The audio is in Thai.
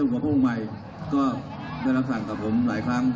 ก็ได้รับสั่งกับผมหลายครั้ง